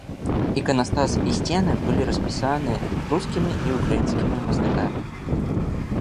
Іканастас і сцены былі распісаны рускімі і ўкраінскімі мастакамі.